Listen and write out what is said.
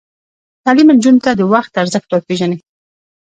تعلیم نجونو ته د وخت ارزښت ور پېژني.